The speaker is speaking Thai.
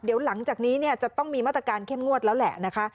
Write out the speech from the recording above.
เดี๋ยวหลังจากนี้เนี่ยจะต้องมีมาตรการเข้มงวดแล้วแหละนะคะ